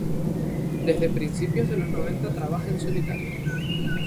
Desde principios de los noventa trabaja en solitario.